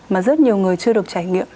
mà rất nhiều người chưa được trải nghiệm